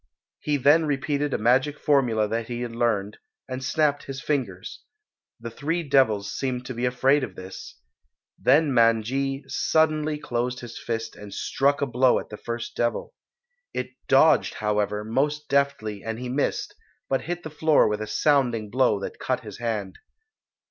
He then repeated a magic formula that he had learned, and snapped his fingers. The three devils seemed to be afraid of this. Then Man ji suddenly closed his fist and struck a blow at the first devil. It dodged, however, most deftly and he missed, but hit the floor a sounding blow that cut his hand.